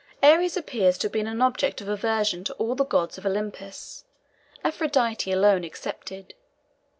Ares appears to have been an object of aversion to all the gods of Olympus, Aphrodite alone excepted.